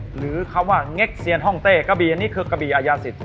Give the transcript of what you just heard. หรือคำว่าเง็กเซียนห้องเต้กะบีอันนี้คือกะบีอายาศิษย